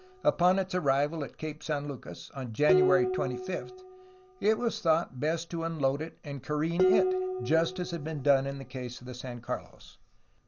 Upon its arrival at Cape San Lucas, on January 25, it was thought best to unload and careen it, just as had been done in the case of the San Carlos.